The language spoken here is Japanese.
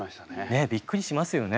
ねえびっくりしますよね。